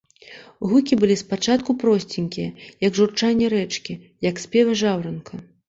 Гукі былі с пачатку просценькія, як журчанне рэчкі, як спевы жаўранка.